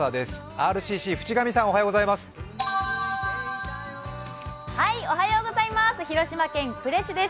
ＲＣＣ渕上さん、おはようございます。